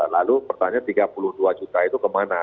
lalu pertanyaan tiga puluh dua juta itu kemana